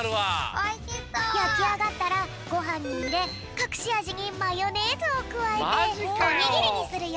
やきあがったらごはんにいれかくしあじにマヨネーズをくわえておにぎりにするよ！